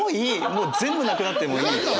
もう全部なくなってもいい！